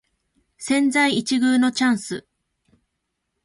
千載一遇のチャンス